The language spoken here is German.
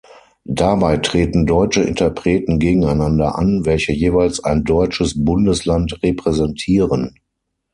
Dabei treten deutsche Interpreten gegeneinander an, welche jeweils ein deutsches Bundesland repräsentieren.